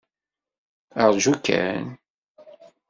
Ṛju kan!